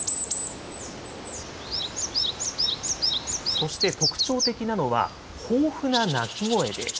そして特徴的なのは、豊富な鳴き声です。